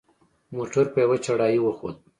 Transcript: موټر په یوه چړهایي وخوت.